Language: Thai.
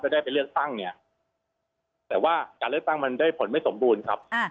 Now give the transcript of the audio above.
ได้ไปเลือกตั้งเนี่ยแต่ว่าการเลือกตั้งมันได้ผลไม่สมบูรณ์ครับ